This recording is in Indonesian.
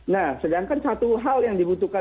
nah sedangkan satu hal yang dibutuhkan